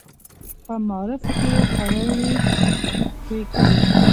په معارفو کې یې خولې تویې کړې.